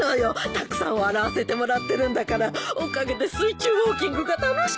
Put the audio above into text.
たくさん笑わせてもらってるんだからおかげで水中ウオーキングが楽しくって。